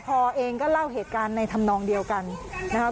พอเองก็เล่าเหตุการณ์ในธรรมนองเดียวกันนะครับ